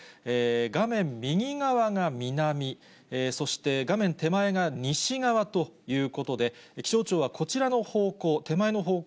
画面右側が南、そして画面手前が西側ということで、気象庁はこちらの方向、手前の方向